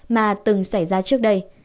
mà từng xảy ra trước đây